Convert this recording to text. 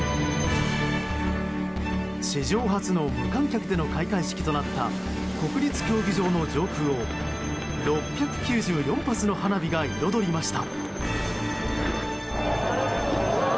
史上初の無観客での開会式となった国立競技場の上空を６９４発の花火が彩りました。